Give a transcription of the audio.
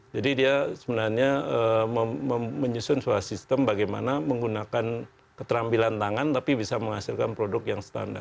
jadi dia sebenarnya menyusun suatu sistem bagaimana menggunakan keterampilan tangan tapi bisa menghasilkan produk yang standar